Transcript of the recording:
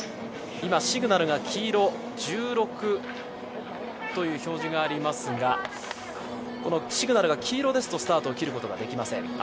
今、シグナルが黄色、１６という表示がありますがこのシグナルが黄色ですと、スタートを切ることができません。